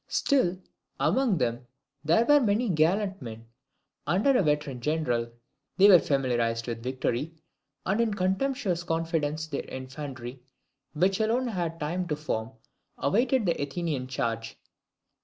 Still, among them there were many gallant men, under a veteran general; they were familiarized with victory; and in contemptuous confidence their infantry, which alone had time to form, awaited the Athenian charge.